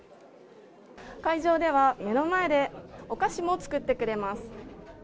会場では目の前でお菓子も作ってくれます。